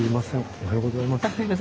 おはようございます。